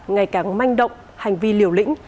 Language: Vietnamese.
ngày càng manh động hành vi liều lĩnh